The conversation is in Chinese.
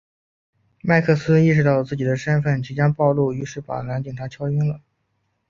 麦克斯意识到自己的身份即将暴露于是把男警察敲晕了。